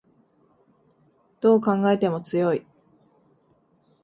どう考えても強い